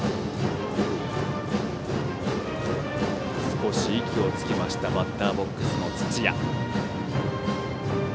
少し息をつきましたバッターボックスの土屋。